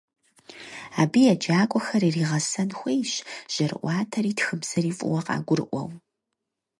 Абы еджакӏуэхэр иригъэсэн хуейщ жьэрыӏуатэри тхыбзэри фӏыуэ къагурыӏуэу.